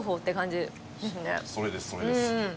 それですそれです。